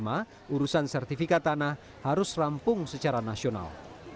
tahun dua ribu dua puluh lima urusan sertifikat tanah harus rampung secara nasional